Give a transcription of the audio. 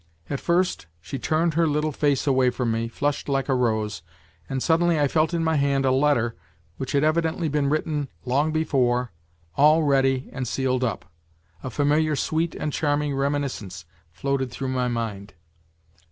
At first she turned her little face away from me, flushed like a rose, and suddenly I felt in my hand a letter which had evidently been written long before, all ready and sealed up. A familiar sweet and charming reminiscence floated through my mind.